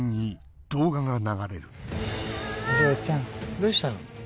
どうしたの？